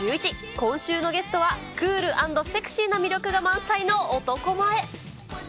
今週のゲストは、クール＆セクシーな魅力が満載の男前。